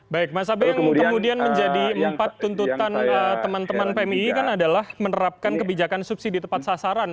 baik mas abe yang kemudian menjadi empat tuntutan teman teman pmii kan adalah menerapkan kebijakan subsidi tepat sasaran